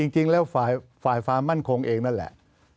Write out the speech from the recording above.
จริงแล้วฝ่ายความมั่นคงเองนั่นแหละ